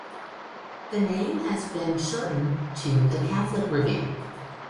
The name has since been shortened to "The Catholic Review".